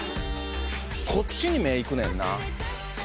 こっちに目ぇいくねんな。